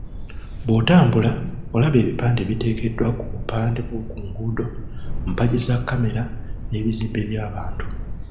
Bw'otambula, olaba ebipande ebiteekeddwa ku bupande bw'oku nguudo, mpagi za kkamera n'ebizimbe by'abantu.